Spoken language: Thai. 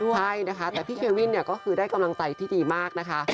ใช่นะคะแต่พี่เควินเนี่ยก็คือได้กำลังใจที่ดีมากนะคะ